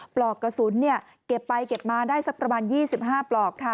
ปลอกกระสุนเก็บไปเก็บมาได้สักประมาณ๒๕ปลอกค่ะ